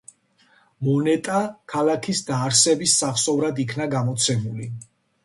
მონეტა ქალაქის დაარსების სახსოვრად იქნა გამოცემული.